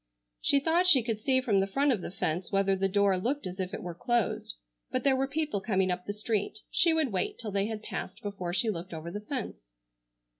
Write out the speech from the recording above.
She thought she could see from the front of the fence whether the door looked as if it were closed. But there were people coming up the street. She would wait till they had passed before she looked over the fence.